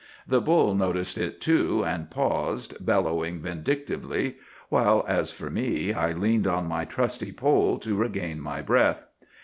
The bull noticed it too, and paused, bellowing vindictively; while as for me, I leaned on my trusty pole to regain my breath.